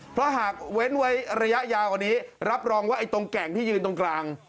เพราะหากเว้นไว้ระยะยาวกว่านี้รับรองว่าไอ้ตรงแก่งที่ยืนตรงกลาง